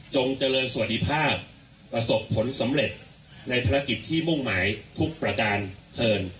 เจริญสวัสดีภาพประสบผลสำเร็จในธุรกิจที่มุ่งหมายทุกประการเทิน